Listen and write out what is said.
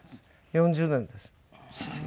４０年です。